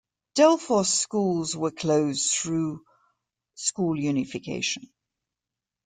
Delphos schools were closed through school unification.